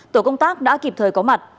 tổ công tác đã kịp thời có mặt